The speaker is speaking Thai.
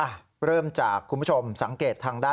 หรือ